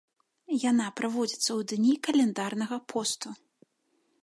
Яна праводзіцца ў дні каляднага посту.